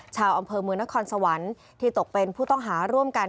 เฉพาะเมืองนธ์ความต้องหาร่วมกัน